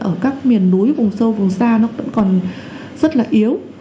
ở các miền núi vùng sâu vùng xa nó vẫn còn rất là yếu